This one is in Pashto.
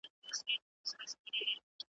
باریکي لري تمام دېوان زما ,